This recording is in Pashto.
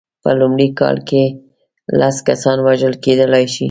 په لومړۍ کال کې لس کسان وژل کېدلای شي.